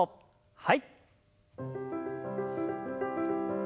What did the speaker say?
はい。